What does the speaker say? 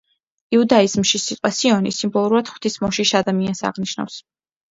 იუდაიზმში სიტყვა „სიონი“ სიმბოლურად ღვთისმოშიშ ადამიანს აღნიშნავს.